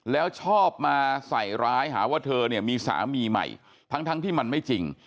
แล้วชอบมาใส่ร้ายหาว่าเธอเนี่ยมีสามีใหม่ทั้งที่มันไม่จริง